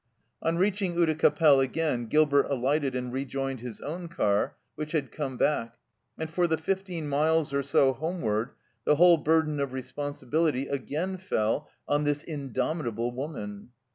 On reaching Oudecappelle again, Gilbert alighted and rejoined his own car, which had come back, and for the fifteen miles or so homeward the whole burden of responsibility again fell on this indomit able woman.